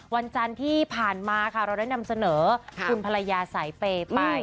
วันจันทร์ที่ผ่านมาค่ะเราได้นำเสนอคุณภรรยาสายเปย์ไป